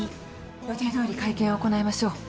予定どおり会見を行いましょう。